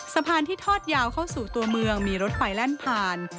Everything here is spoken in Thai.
สะพานที่ทอดยาวเข้าสู่ตัวเมืองมีรถไฟแล่นผ่าน